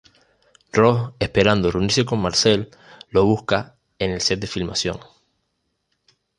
Ross, esperando reunirse con Marcel, lo busca en el set de filmación.